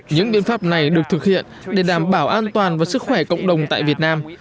những biên pháp này được thực hiện để đảm bảo an toàn và sức khỏe cộng đồng tại việt nam